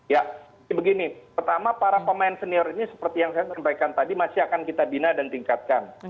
ya jadi begini pertama para pemain senior ini seperti yang saya sampaikan tadi masih akan kita bina dan tingkatkan